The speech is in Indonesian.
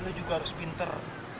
lo juga harus pinter